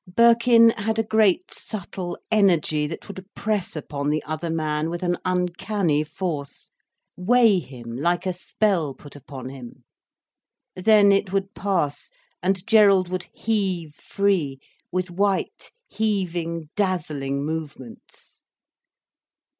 Birkin had a great subtle energy, that would press upon the other man with an uncanny force, weigh him like a spell put upon him. Then it would pass, and Gerald would heave free, with white, heaving, dazzling movements.